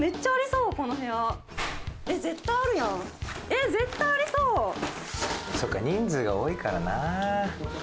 そっか人数が多いからなあ。